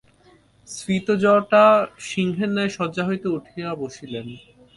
স্ফীতজটা সিংহের ন্যায় শয্যা হইতে উঠিয়া বসিলেন।